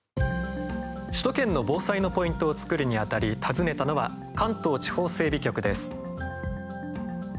首都圏の防災のポイントを作るにあたり訪ねたのは関東地方整備局です。